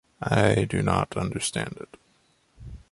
I do not understand it.